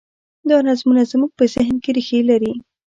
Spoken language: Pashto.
دا نظمونه زموږ په ذهن کې رېښې لري.